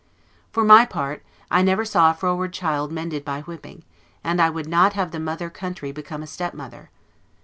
For my part, I never saw a froward child mended by whipping; and I would not have the mother country become a stepmother.